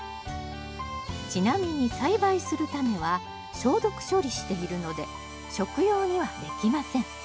ちなみに栽培するタネは消毒処理しているので食用にはできません